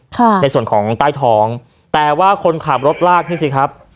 ค่ะในส่วนของใต้ท้องแต่ว่าคนขับรถลากนี่สิครับ